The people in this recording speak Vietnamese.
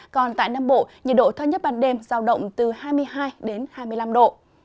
còn tại nam bộ nhiệt độ thấp nhất ban đêm giao động từ hai mươi hai đến hai mươi năm độ